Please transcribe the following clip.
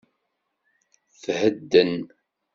Thedden.